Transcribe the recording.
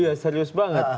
iya serius banget